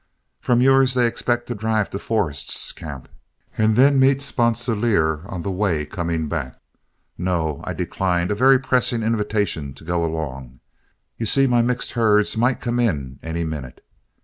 From yours they expect to drive to Forrest's camp, and then meet Sponsilier on the way coming back. No; I declined a very pressing invitation to go along you see my mixed herds might come in any minute.